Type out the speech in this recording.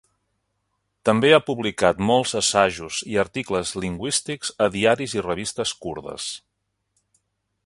També ha publicat molts assajos i articles lingüístics a diaris i revistes kurdes.